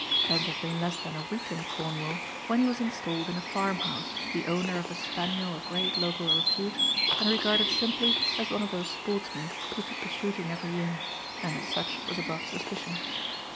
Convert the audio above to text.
Trent had been less than a week in Cornwall when he was installed in a farmhouse, the owner of a spaniel of great local repute, and regarded simply as one of those sportsmen who took the shooting every year and as such was above suspicion.